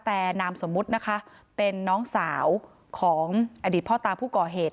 แต่นามสมมุตินะคะเป็นน้องสาวของอดีตพ่อตาผู้ก่อเหตุ